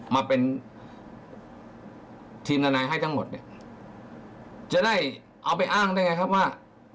มาเป็นทีมทนายให้ทั้งหมดเนี่ยจะได้เอาไปอ้างได้ไงครับว่า